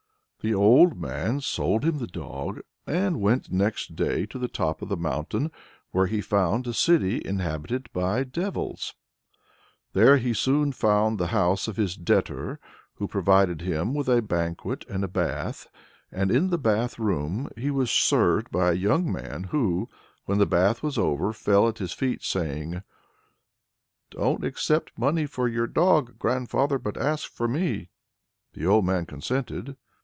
The old man sold him the dog, and went next day to the top of the mountain, where he found a great city inhabited by devils. There he soon found the house of his debtor, who provided him with a banquet and a bath. And in the bath room he was served by a young man who, when the bath was over, fell at his feet, saying, "Don't accept money for your dog, grandfather, but ask for me!" The old man consented.